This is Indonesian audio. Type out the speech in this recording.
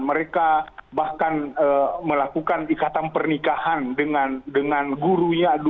mereka bahkan melakukan ikatan pernikahan dengan gurunya